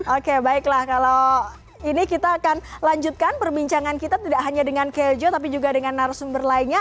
oke baiklah kalau ini kita akan lanjutkan perbincangan kita tidak hanya dengan kejo tapi juga dengan narasumber lainnya